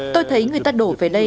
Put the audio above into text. tôi thấy người ta đổ về những nơi này